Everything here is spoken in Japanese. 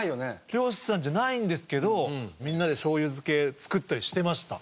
漁師さんじゃないんですけどみんなでしょうゆ漬け作ったりしてました。